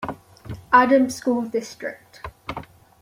Adams School District.